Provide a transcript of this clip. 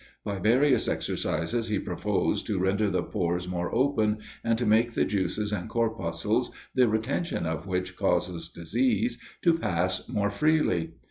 By various exercises, he proposed to render the pores more open, and to make the juices and corpuscles, the retention of which causes disease, to pass more freely.